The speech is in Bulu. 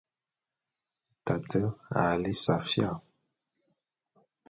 Tate a lí safía.